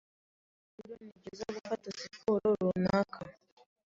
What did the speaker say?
Kugirango ugabanye ibiro, nibyiza gufata siporo runaka.